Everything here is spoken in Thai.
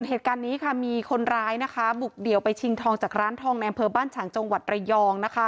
เหตุการณ์นี้มีคนร้ายบุกเดียวไปชิงทองจากร้านทองแนมเพอบ้านฉางจงหวัดระยอง